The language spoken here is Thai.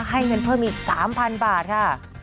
ให้เงินเพิ่มอีก๓๐๐๐บาทค่ะ